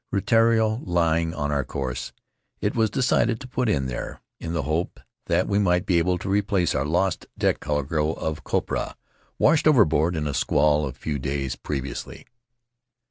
Rutiaro lying on our course, it was decided to put in there in the hope that we might be able to replace our lost deck cargo of copra, washed overboard in a squall a few days previously.